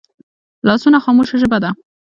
لاسونه خاموشه ژبه ده